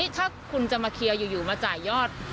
ถ้าคุณจะมาเคลียร์อยู่มาจ่ายยอด